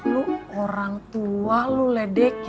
lu orang tua lu ledek